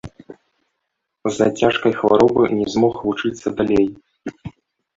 З-за цяжкай хваробы не змог вучыцца далей.